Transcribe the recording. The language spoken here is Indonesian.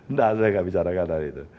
nggak saya nggak bicarakan tadi itu